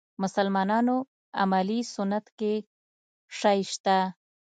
مسلمانانو عملي سنت کې شی شته.